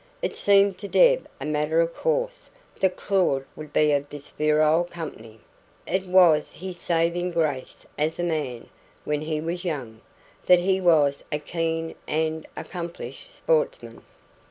It seemed to Deb a matter of course that Claud would be of this virile company; it was his saving grace as a man, when he was young, that he was a keen and accomplished sportsman.